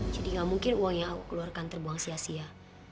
jadi gak mungkin uang yang aku keluarkan terbuang sia sia